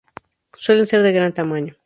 Suelen ser de gran tamaño.